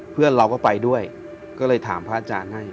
เพื่อนเราก็ไปด้วยก็เลยถามพระอาจารย์ให้